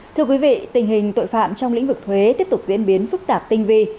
thưa quý vị tình hình tội phạm trong lĩnh vực thuế tiếp tục diễn biến phức tạp tinh vi